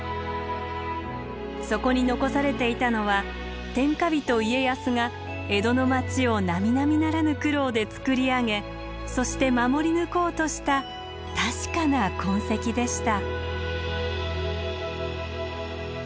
そこに残されていたのは天下人家康が江戸の町をなみなみならぬ苦労でつくり上げそして守り抜こうとした確かな痕跡でした。